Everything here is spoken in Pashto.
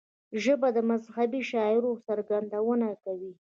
ژبه د مذهبي شعائرو څرګندونه کوي